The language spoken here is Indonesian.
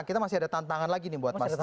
kita masih ada tantangan lagi nih buat mas revo